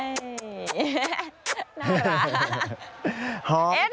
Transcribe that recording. น่ารัก